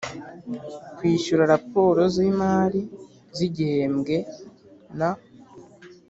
kwishyura raporo z imari z igihembwe n